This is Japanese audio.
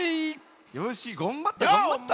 よしがんばったがんばった。